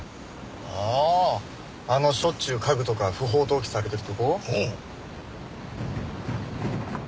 あああのしょっちゅう家具とか不法投棄されてる所？